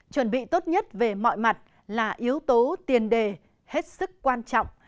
chuẩn bị tốt nhất về mọi mặt là yếu tố tiền đề hết sức quan trọng